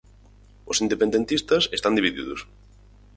Os independentistas están divididos.